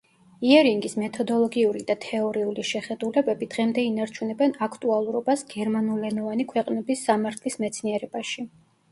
იერინგის მეთოდოლოგიური და თეორიული შეხედულებები დღემდე ინარჩუნებენ აქტუალურობას გერმანულენოვანი ქვეყნების სამართლის მეცნიერებაში.